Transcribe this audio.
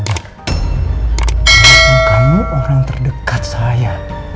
karena kamu orang terdekat saya